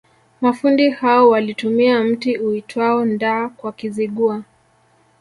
Mafundi hao walitumia mti uitwao ndaa Kwa Kizigua